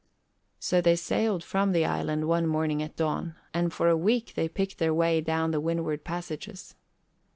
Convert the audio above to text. So they sailed from the island one morning at dawn and for a week they picked their way down the windward passages.